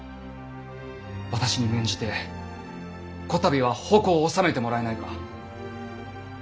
私に免じてこたびは矛を収めてもらえないか。